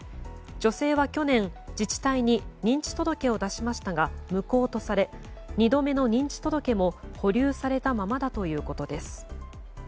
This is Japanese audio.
女性は去年、自治体に認知届を出しましたが無効とされ２度目の認知届も保留されたままだということです。